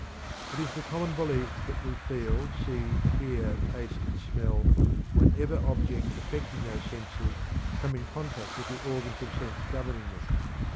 It is the common belief that we feel, see, hear, taste, or smell whenever objects affecting those senses come in contact with the organs of sense governing them.